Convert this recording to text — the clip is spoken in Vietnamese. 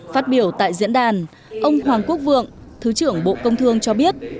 phát biểu tại diễn đàn ông hoàng quốc vượng thứ trưởng bộ công thương cho biết